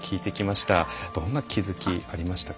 どんな気付きありましたか。